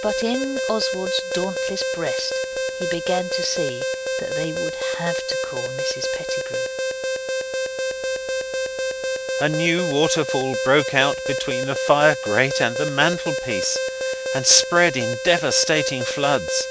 But in Oswald's dauntless breast he began to see that they would HAVE to call Mrs Pettigrew. A new waterfall broke out between the fire grate and the mantelpiece, and spread in devastating floods.